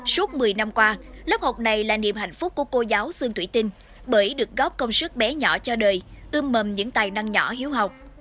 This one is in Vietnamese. suốt một mươi năm qua lớp học này là niềm hạnh phúc của cô giáo sương thủy tinh bởi được góp công sức bé nhỏ cho đời ưm mầm những tài năng nhỏ hiếu học